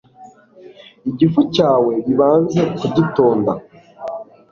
igifu cyawe bibanza kugitonda